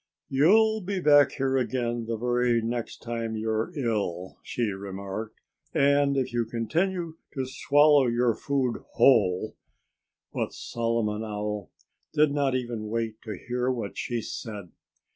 "You'll be back here again the very next time you're ill," she remarked. "And if you continue to swallow your food whole——" But Solomon Owl did not even wait to hear what she said.